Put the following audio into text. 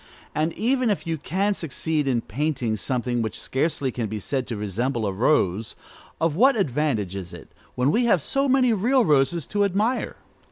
And even if you can succeed in painting something which scarcely can be said to resemble a rose, of what advantage is it, when we have so many real roses to admire?